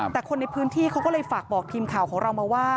แต่คนในพื้นที่เขาก็เลยฝากบอกทีมข่าวของเรามาว่า